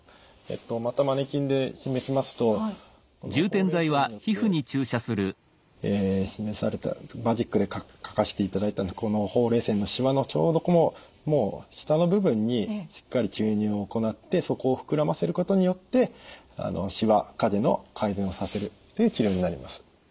またマネキンで示しますとこのほうれい線によって示されたマジックで書かせていただいたこのほうれい線のしわのちょうどもう下の部分にしっかり注入を行ってそこを膨らませることによってしわ影の改善をさせるっていう治療になります。